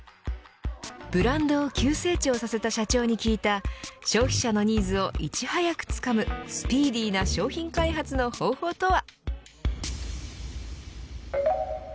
ブランドを急成長させた社長に聞いた消費者のニーズをいち早くつかむスピーディーな商品開発の方法とは。